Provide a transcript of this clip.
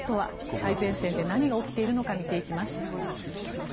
最前線で何が起きているのか見ていきます。